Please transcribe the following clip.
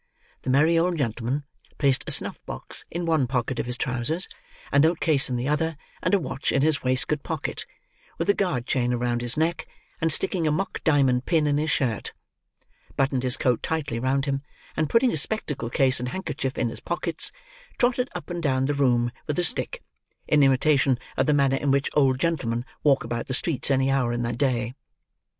The merry old gentleman, placing a snuff box in one pocket of his trousers, a note case in the other, and a watch in his waistcoat pocket, with a guard chain round his neck, and sticking a mock diamond pin in his shirt: buttoned his coat tight round him, and putting his spectacle case and handkerchief in his pockets, trotted up and down the room with a stick, in imitation of the manner in which old gentlemen walk about the streets any hour in the day.